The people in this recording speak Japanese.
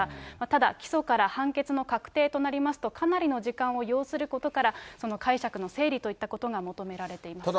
ただ、起訴から判決の確定となりますと、かなりの時間を要することから、その解釈の整理といったことが求められています。